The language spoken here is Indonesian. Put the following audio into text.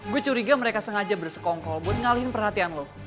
gue curiga mereka sengaja bersekongkol buat ngalihin perhatian lo